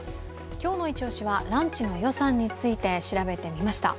今日の「イチオシ」はランチの予算について調べてみました。